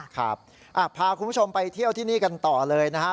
พาคุณผู้ชมไปเที่ยวที่นี่กันต่อเลยนะครับ